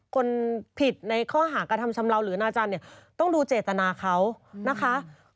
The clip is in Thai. คนผิดในข้อหากระทำชำเลาหรือนาจารย์เนี่ยต้องดูเจตนาเขานะคะ